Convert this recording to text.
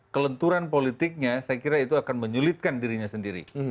kelenturan politiknya saya kira itu akan menyulitkan dirinya sendiri